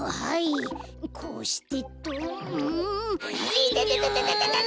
いてててて！